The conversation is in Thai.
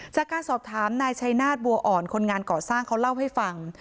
จากการสอบถามนายชัยนาฏบัวอ่อนคนงานก่อสร้างเขาเล่าให้ฟัง